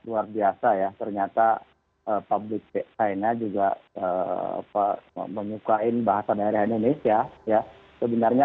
luar biasa ya ternyata public china juga apa menyukai bahasa daerah indonesia ya sebenarnya